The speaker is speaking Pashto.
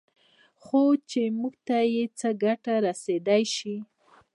خو چې موږ ته یې څه ګټه رسېدای شي